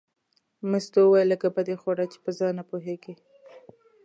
مستو وویل لږه به دې خوړه چې په ځان نه پوهېږې.